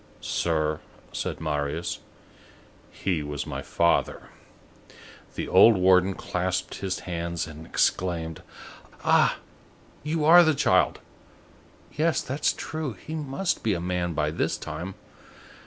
"Sir," said Marius, "he was my father." The old warden clasped his hands and exclaimed:— "Ah! you are the child! Yes, that's true, he must be a man by this time.